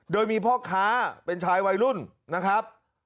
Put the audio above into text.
โดยมีพ่อค้าเป็นชายวัยรุ่นนะครับ